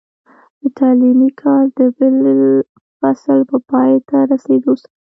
د تعليمي کال د بل فصل په پای ته رسېدو سره،